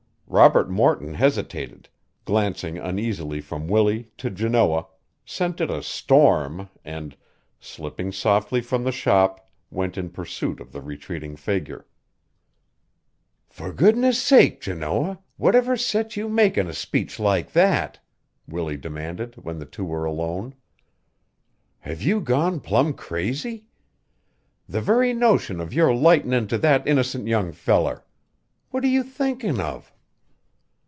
Robert Morton hesitated, glancing uneasily from Willie to Janoah, scented a storm and, slipping softly from the shop, went in pursuit of the retreating figure. "For goodness sake, Janoah, whatever set you makin' a speech like that?" Willie demanded, when the two were alone. "Have you gone plumb crazy? The very notion of your lightin' into that innocent young feller! What are you thinkin' of?"